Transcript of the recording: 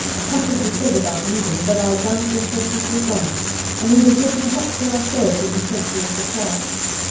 Nothing was said about leaving, but our guns and horses were gone, and we were given a hut to ourselves in the centre of the kraal.